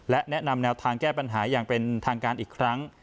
และแนะนำแนวทางแก้ปัญหาอย่างเป็นทางการอีกครั้ง